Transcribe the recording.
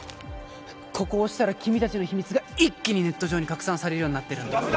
ここ押したら君たちの秘密が一気にネット上に拡散されるようになってるんだ。